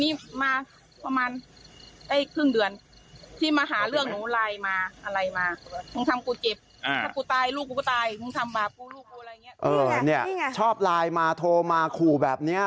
นี่ไงชอบไลน์มาโทรมาขู่แบบนี้